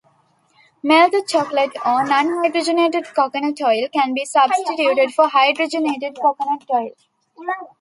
Melted chocolate or non-hydrogenated coconut oil can be substituted for hydrogenated coconut oil.